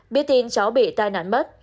biết tin cháu bị tai nạn mất